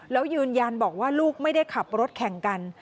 แล้วยืนยันบอกว่าลูกไม่ได้ขับรถแข่งกัน